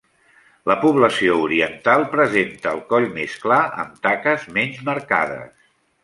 La població oriental presenta el coll més clar amb taques menys marcades.